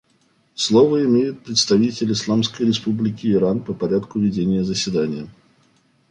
Слово имеет представитель Исламской Республики Иран по порядку ведения заседания.